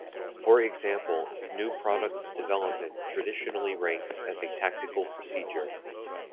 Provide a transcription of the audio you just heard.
For example, new product development traditionally ranks as a tactical procedure.